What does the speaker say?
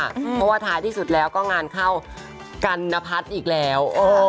เพราะว่าท้ายที่สุดแล้วก็งานเข้ากันนพัฒน์อีกแล้ว